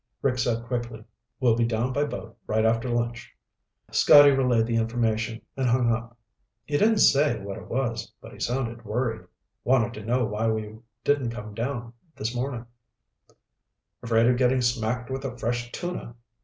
Rick said quickly, "We'll be down by boat right after lunch." Scotty relayed the information and hung up. "He didn't say what it was, but he sounded worried. Wanted to know why we didn't come down this morning." "Afraid of getting smacked with a fresh tuna."